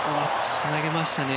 つなげました。